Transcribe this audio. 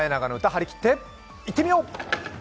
張り切っていってみよう！